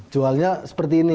jualnya seperti ini ya